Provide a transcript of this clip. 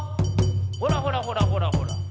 ほらほらほらほらほら。